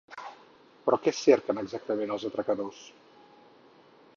Però què cerquen exactament els atracadors?